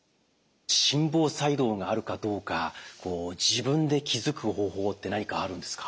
心房細動があるかどうか自分で気付く方法って何かあるんですか？